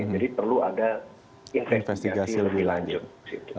jadi perlu ada investigasi lebih lanjut